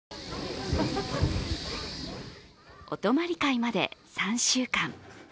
お泊まり会まで３週間。